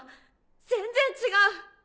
全然違う！